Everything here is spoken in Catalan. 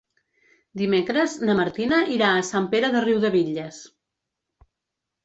Dimecres na Martina irà a Sant Pere de Riudebitlles.